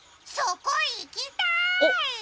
そこ、行きたーい。